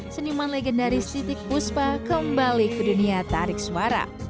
senyuman legendaris titik puspa kembali ke dunia tarik suara